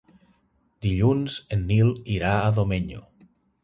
Dilluns en Nil irà a Domenyo.